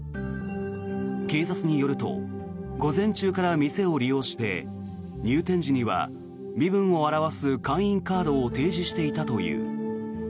警察によると午前中から店を利用して入店時には身分を表す会員カードを提示していたという。